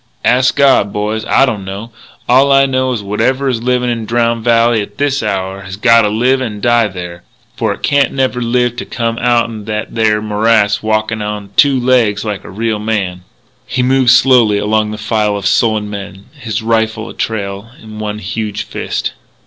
"Ask God, boys. I don't know. All I know is that whatever is livin' in Drowned Valley at this hour has gotta live and die there. For it can't never live to come outen that there morass walkin' onto two legs like a real man." He moved slowly along the file of sullen men, his rifle a trail in one huge fist.